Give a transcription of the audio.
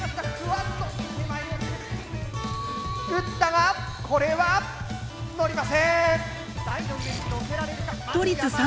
撃ったがこれはのりません。